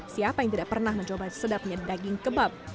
siapa yang tidak pernah mencoba sedapnya daging kebab